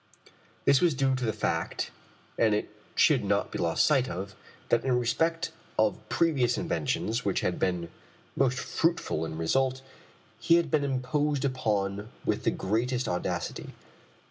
This was due to the fact and it should not be lost sight of that in respect of previous inventions which had been most fruitful in result, he had been imposed upon with the greatest audacity.